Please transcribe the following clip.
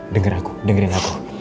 dengar aku dengerin aku